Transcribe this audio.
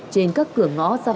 trên các cửa ngõ gia bắc